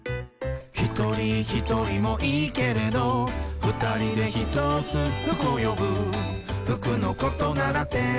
「ひとりひとりもいいけれど」「ふたりでひとつふくをよぶ」「ふくのことならテーラースキマ」